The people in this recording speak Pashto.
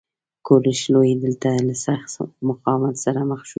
کوروش لوی دلته له سخت مقاومت سره مخ شو